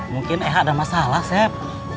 mungkin ehak ada masalah sep